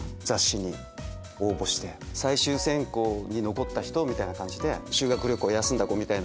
最終選考に残った人みたいな感じで修学旅行休んだ子みたいな。